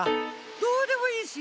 どうでもいいし！